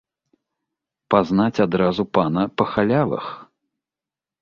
Пазнаць адразу пана па халявах.